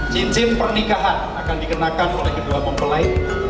cincin pernikahan akan dikenakan oleh kedua mempelai